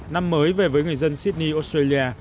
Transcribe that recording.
năm mới về với người dân sydney australia